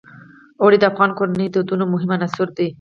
اوړي د افغان کورنیو د دودونو مهم عنصر دی.